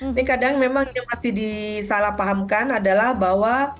ini kadang memang yang masih disalahpahamkan adalah bahwa